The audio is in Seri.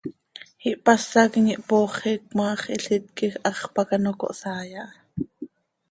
Ihpásaquim ihpooxi, cmaax hilít quij hax pac ano cohsaai aha.